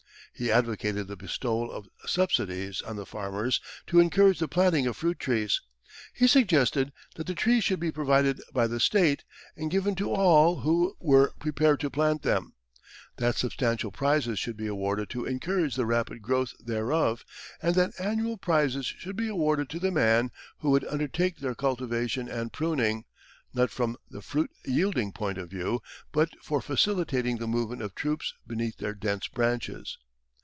He advocated the bestowal of subsidies on the farmers to encourage the planting of fruit trees. He suggested that the trees should be provided by the State, and given to all who were prepared to plant them; that substantial prizes should be awarded to encourage the rapid growth thereof, and that annual prizes should be awarded to the man who would undertake their cultivation and pruning, not from the fruit yielding point of view, but for facilitating the movement of troops beneath their dense branches.